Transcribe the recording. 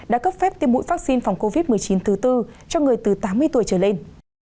đã cấp phép tiêm mũi vaccine phòng covid một mươi chín thứ tư cho người từ tám mươi tuổi trở lên